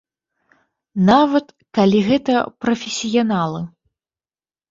Нават, калі гэта прафесіяналы.